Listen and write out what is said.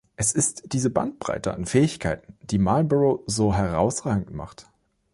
Es ist diese Bandbreite an Fähigkeiten, die Marlborough so herausragend macht.